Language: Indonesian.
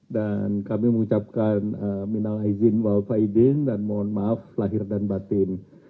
dan kami mengucapkan minal aizin walfa idin dan mohon maaf lahir dan batin